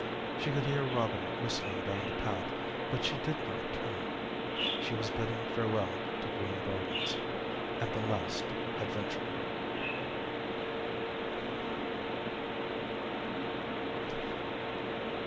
She could hear Robin whistling down the path but she did not turn. She was bidding farewell to Green Gardens and the last adventurer.